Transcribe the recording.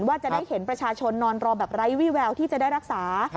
ว่าจะได้เห็นประชาชนนอนรอแบบไร้วิแววที่จะได้รักษา